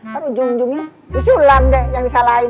kan ujung ujungnya si sulam deh yang disalahin